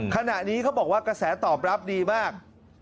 ขณะนี้เขาบอกว่ากระแสตอบรับดีมาก